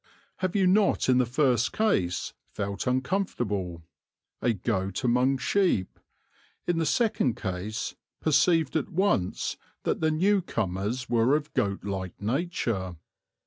Have you not in the first case felt uncomfortable, a goat among sheep, in the second case perceived at once that the new comers were of goat like nature?